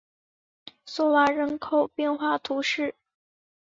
索瓦人口变化图示